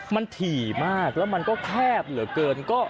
มันถี่มากแล้วมันก็แคบเหลือเกิน